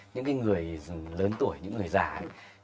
những cái người lớn tuổi những người già ấy